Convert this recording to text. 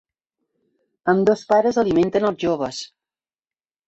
Ambdós pares alimenten als joves.